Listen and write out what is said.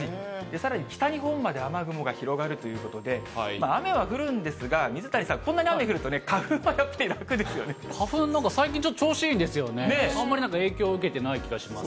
さらに北日本まで雨雲が広がるということで、雨は降るんですが、水谷さん、こんなに雨降るとね、花粉、なんか最近、ちょっと調子いいんですよね、あんまり影響受けてない気がします。